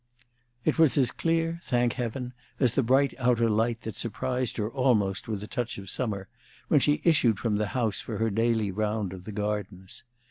It was as clear, thank Heaven! as the bright outer light that surprised her almost with a touch of summer when she issued from the house for her daily round of the gardens.